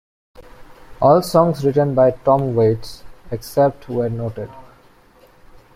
All songs written by Tom Waits, except where noted.